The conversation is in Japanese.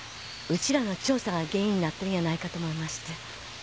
うちらの調査が原因になってるんやないかと思いまして。